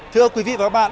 thưa quý vị và các bạn